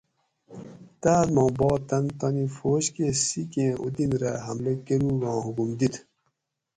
تاس ما باد تن تانی فوج کہ سیکھیں اوطن رہ حملہ کۤروگاں حکم دیت